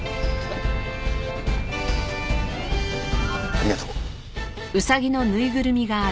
ありがとう。